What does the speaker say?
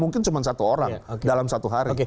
mungkin cuma satu orang dalam satu hari